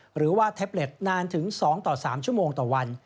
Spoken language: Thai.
หรือว่าแท็บเล็ตนานถึง๒ต่อ๓ชั่วโมงต่อวัน